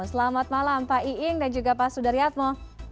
selamat malam pak iing dan juga pak sudaryatmo